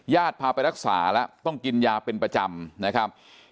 พาไปรักษาแล้วต้องกินยาเป็นประจำนะครับ